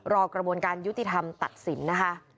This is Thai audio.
กระบวนการยุติธรรมตัดสินนะคะ